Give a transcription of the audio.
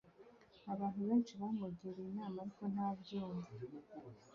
Abantu benshi bamugiriye inama ariko ntabyumva